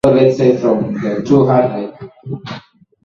echangia sana kuambukiza gonjwa la ukimwi afrika